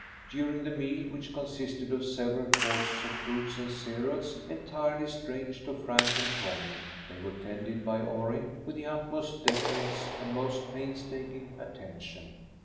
During the meal, which consisted of several courses of fruits and cereals entirely strange to Frank and Tommy, they were tended by Orrin with the utmost deference and most painstaking attention.